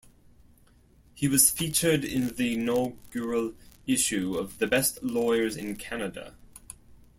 He was featured in the inaugural issue of The Best Lawyers in Canada.